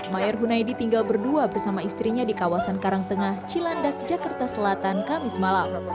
mayor hunaidi tinggal berdua bersama istrinya di kawasan karangtengah cilandak jakarta selatan kamis malam